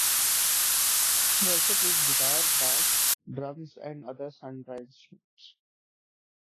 She also plays guitar, bass, drums, and other sundry instruments.